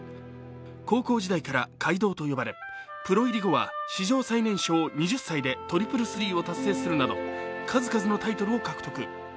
高校時代から怪童と呼ばれプロ入り後は史上最年少２０歳でトリプルスリーを達成するなど数々のタイトルを獲得。